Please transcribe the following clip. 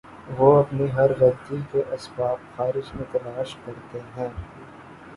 وہ اپنی ہر غلطی کے اسباب خارج میں تلاش کرتے ہیں۔